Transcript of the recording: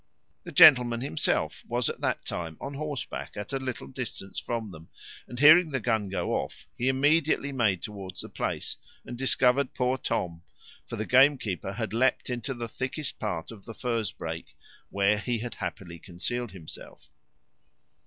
The gentleman himself was at that time on horse back, at a little distance from them; and hearing the gun go off, he immediately made towards the place, and discovered poor Tom; for the gamekeeper had leapt into the thickest part of the furze brake, where he had happily concealed himself.